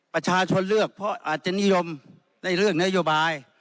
ประชาชนเลือกเพราะอาจจะนิยมได้เลือกนโยบาย